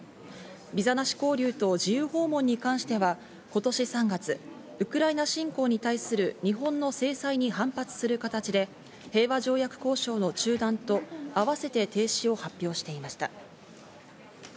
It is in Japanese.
ビザなし交流と自由訪問に関しては今年３月、ウクライナ侵攻に対する日本の制裁に反発する形で平和条約交渉の中断と合わせて停止を発表していました。